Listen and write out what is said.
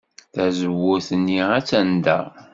Tazewwut-nni attan da.